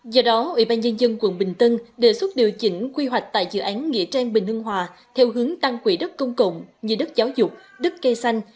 do đó ủy ban nhân dân tp hcm đề xuất điều chỉnh quy hoạch tại dự án nghĩa trang bình hưng hòa theo hướng tăng quỹ đất công cộng như đất giáo dục đất cây xanh